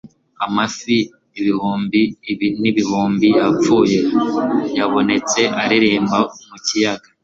amafi ibihumbi n'ibihumbi yapfuye yabonetse areremba mu kiyaga